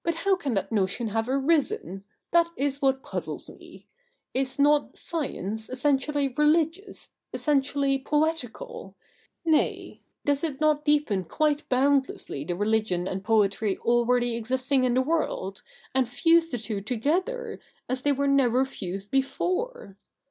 But how can that notion have arisen ? That is what puzzles me. Is not science essentially religious, essentially poetical — nay, does it not deepen quite boundlessly the religion and poetry already existing in the world, and fuse the two together, as they were never fused before?